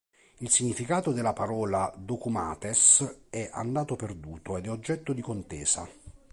Il significato della parola "decumates" è andato perduto ed è oggetto di contesa.